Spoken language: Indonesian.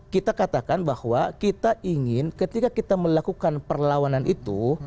kita katakan bahwa kita ingin ketika kita melakukan perlawanan itu